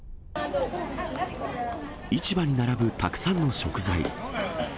市場に並ぶたくさんの食材。